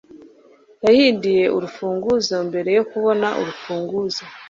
yahinduye urufunguzo mbere yo kubona urufunguzo